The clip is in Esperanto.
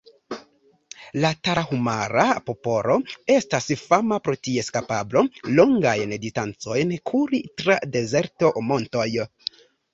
La Tarahumara-popolo estas fama pro ties kapablo, longajn distancojn kuri tra dezerto, montoj.